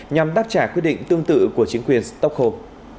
nhằm đáp trả quyết định tương tự của chính quyền stockholm